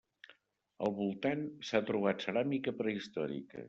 Al voltant s'ha trobat ceràmica prehistòrica.